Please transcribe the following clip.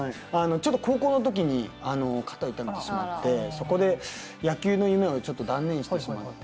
ちょっと高校の時に肩を痛めてしまってそこで野球の夢をちょっと断念してしまって。